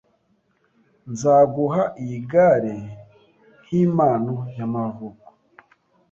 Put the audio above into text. Nzaguha iyi gare nkimpano y'amavuko